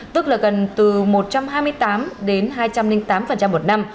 tức là gần từ một trăm hai mươi tám đến hai trăm linh tám một năm